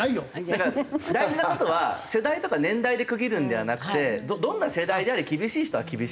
だから大事な事は世代とか年代で区切るんではなくてどんな世代であれ厳しい人は厳しくて。